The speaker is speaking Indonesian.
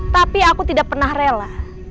tapi aku tidak pernah rela